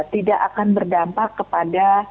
tidak akan berdampak kepada